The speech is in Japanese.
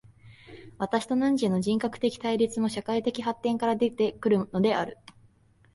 私と汝との人格的対立も、社会的発展から出て来るのである。